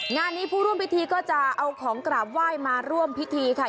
งานนี้ผู้ร่วมพิธีก็จะเอาของกราบไหว้มาร่วมพิธีค่ะ